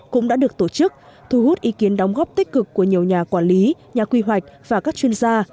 cũng đã được tổ chức thu hút ý kiến đóng góp tích cực của nhiều nhà quản lý nhà quy hoạch và các chuyên gia